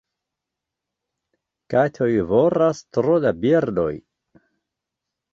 Katoj voras tro da birdoj.